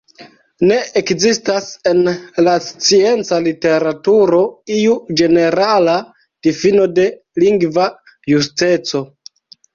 Ne ekzistas en la scienca literaturo iu ĝenerala difino de 'lingva justeco'.